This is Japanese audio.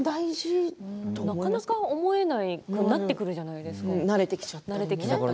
なかなか思えなくなってくるじゃないですか慣れてくると。